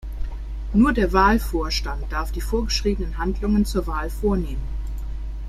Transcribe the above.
Nur der Wahlvorstand darf die vorgeschriebenen Handlungen zur Wahl vornehmen.